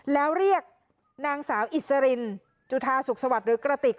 แล้วเรียกนางสาวอิสรินจุธาสุขสวัสดิ์หรือกระติก